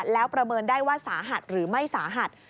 แล้วประเมินได้ว่าสาหัสหรือไม่สาหัส